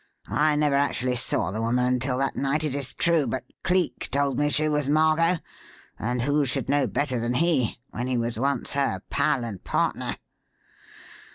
I never actually saw the woman until that night, it is true, but Cleek told me she was Margot; and who should know better than he, when he was once her pal and partner?